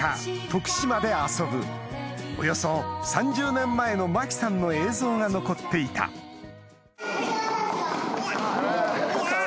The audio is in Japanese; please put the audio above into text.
徳島で遊ぶおよそ３０年前の麻貴さんの映像が残っていたあら！